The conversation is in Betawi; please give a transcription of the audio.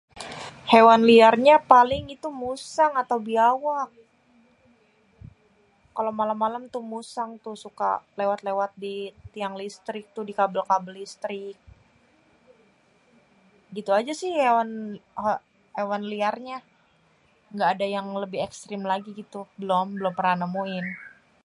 Hewan liarnya paling itu musang atau biawak. Kalo malém-malém tuh musang tuh suka lêwat-lêwat ditiang listrik tuh dikabel-kabel listrik, begitu aja si hewan-hewan liarnya gaada yang lebih ekstrim lagi gitu belom, belom pernah nemuin.